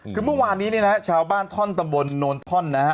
คือเมื่อวานนี้เนี่ยนะฮะชาวบ้านท่อนตำบลโนนท่อนนะฮะ